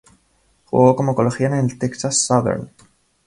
Jugo como colegial en Texas Southern.